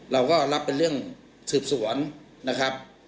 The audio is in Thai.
เราก็รับเป็นเรื่องสืบสวนนะครับ